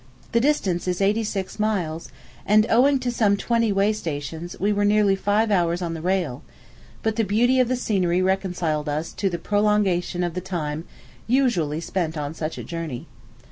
The distance is eighty six miles; and, owing to some twenty way stations, we were nearly five hours on the rail; but the beauty of the scenery reconciled us to a prolongation of the time usually spent on such a journey.